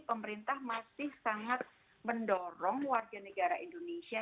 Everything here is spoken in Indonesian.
pemerintah masih sangat mendorong warga negara indonesia